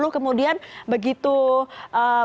kemudian begitu cukup cantik berapa banyak yang dilakukan